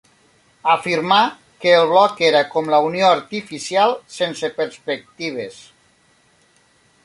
Afirmà que el bloc era com la unió artificial sense perspectives.